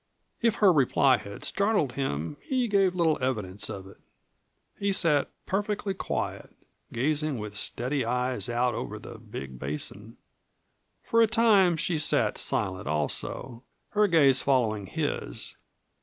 If her reply had startled him he gave little evidence of it. He sat perfectly quiet, gazing with steady eyes out over the big basin. For a time she sat silent also, her gaze following his.